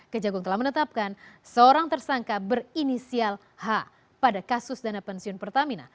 kejagung telah menetapkan seorang tersangka berinisial h pada kasus dana pensiun pertamina